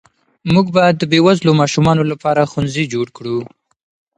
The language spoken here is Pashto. موږ به د بې وزلو ماشومانو لپاره ښوونځي جوړ کړو.